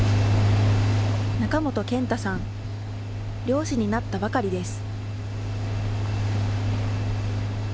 漁師になったばかりです。